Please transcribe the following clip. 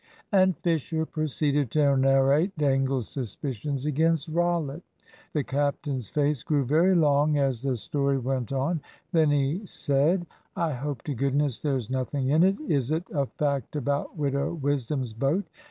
And Fisher proceeded to narrate Dangle's suspicions against Rollitt. The captain's face grew very long as the story went on. Then he said "I hope to goodness there's nothing in it. Is it a fact about Widow Wisdom's boat?"